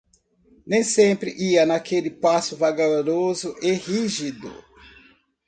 Nem sempre ia naquele passo vagaroso e rígido.